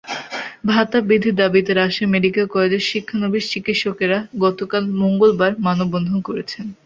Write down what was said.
ভাতা বৃদ্ধির দাবিতে রাজশাহী মেডিকেল কলেজের শিক্ষানবিশ চিকিৎসকেরা গতকাল মঙ্গলবার মানববন্ধন করেছেন।